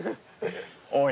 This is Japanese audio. おい。